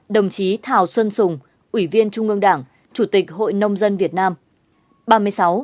ba mươi năm đồng chí thảo xuân sùng ủy viên trung ương đảng chủ tịch hội nông dân việt nam